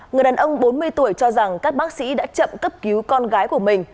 người đàn ông bốn mươi tuổi cho rằng các bác sĩ đã chậm cấp cứu con gái của mình